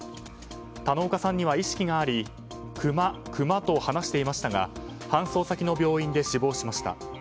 田之岡さんには意識がありクマ、クマと話していましたが搬送先の病院で死亡しました。